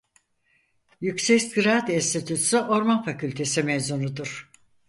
Yüksek Ziraat Enstitüsü Orman Fakültesi mezunudur.